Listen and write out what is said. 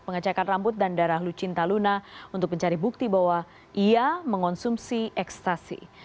pengecekan rambut dan darah lucinta luna untuk mencari bukti bahwa ia mengonsumsi ekstasi